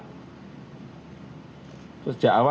sejak awal saya sampaikan ini dibangun memang untuk menjaga keamanan